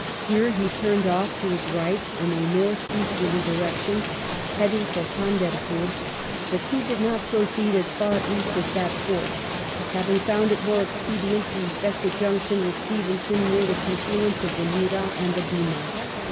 Here he turned oflF to his right in a north easterly direction heading for Punder Ill THE MARCH ON POONA 6$ pore ; but he did not proceed as far east as that fort, having found it more expedient to eflfect a junction with Stevenson near the confluence of the Neera and the Beema.